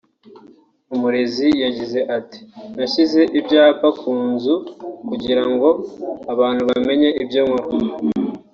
Umurezi yagize ati “Nashyize ibyapa ku nzu kugira ngo abantu bamenye ibyo nkora